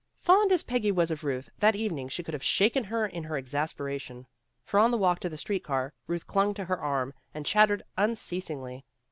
Fond as Peggy was of Ruth, that evening she could have shaken her in her exasperation. For on the walk to the street car, Ruth clung to her arm and chattered unceasingly.